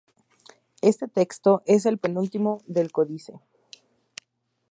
Este texto es el penúltimo del códice.